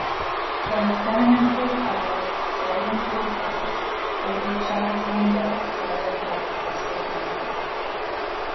Their experimental hollow sodium-cooled valves aided Charles Lindbergh's solo flight across the Atlantic.